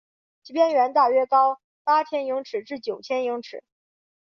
其边缘大约高八千英尺至九千英尺。